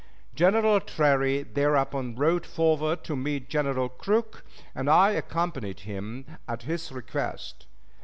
General Terry thereupon rode forward to meet General Crook, and I accompanied him at his request.